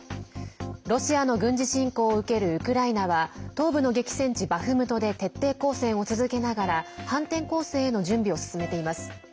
ロシアの軍事侵攻を受けるウクライナは東部の激戦地バフムトで徹底抗戦を続けながら反転攻勢への準備を進めています。